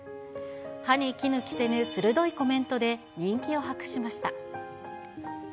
歯に衣着せぬ鋭いコメントで人気を博しました。